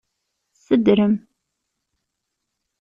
Sedrem.